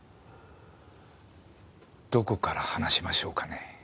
どこから話しましょうかね？